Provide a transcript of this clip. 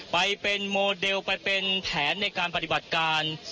ไปเป็นโมเดลไปเป็นแผนในการปฏิบัติการ